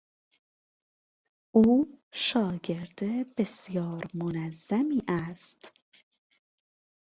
او شاگرد بسیار منظمی است.